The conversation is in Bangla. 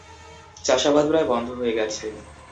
চাষাবাদ প্রায় বন্ধ হয়ে গেছে।